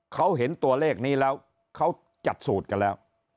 เขาเห็นตัวเลขนี้แล้วเขาจัดสูตรกันแล้ว